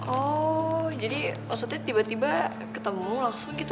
oh jadi maksudnya tiba tiba ketemu langsung gitu